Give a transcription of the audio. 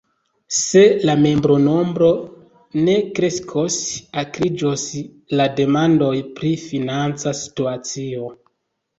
Se la membronombro ne kreskos, akriĝos la demandoj pri financa situacio.